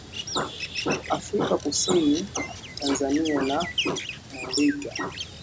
afrika kusini tanzania na maurita